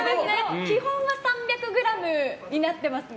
基本は３００ｇになってますね。